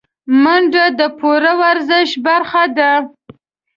منډه د پوره ورزش برخه ده